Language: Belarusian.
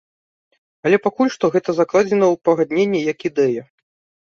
Але пакуль што гэта закладзена ў пагадненне як ідэя.